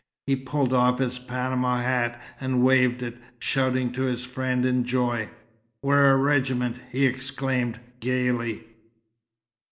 He pulled off his panama hat and waved it, shouting to his friend in joy. "We're a regiment!" he exclaimed gaily.